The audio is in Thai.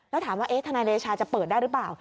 แล้วถามว่าทนายเดชาจะเปิดได้หรือเปล่า